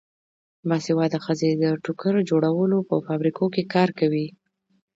باسواده ښځې د ټوکر جوړولو په فابریکو کې کار کوي.